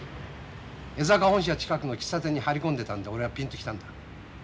江坂本社近くの喫茶店に張り込んでたんで俺はピンと来たんだ。